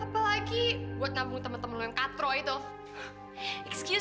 apalagi buat nabung temen temen lo yang katro itu